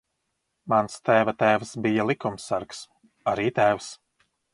Mans tēva tēvs bija likumsargs. Arī tēvs.